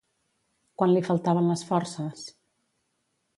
Quan li faltaven les forces?